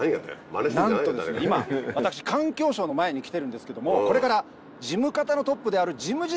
なんと今私環境省の前に来てるんですけどもこれから事務方のトップである。